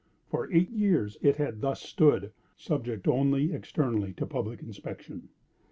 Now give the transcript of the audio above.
For eight years it had thus stood, subject only externally to public inspection.